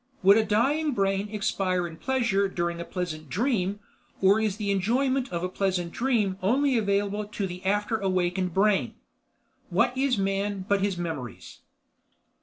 Would a dying brain expire in pleasure during a pleasant dream—or is the enjoyment of a pleasant dream only available to the after awakened brain? What is Man but his Memories?